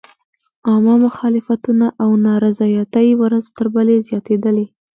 عامه مخالفتونه او نارضایتۍ ورځ تر بلې زیاتېدلې.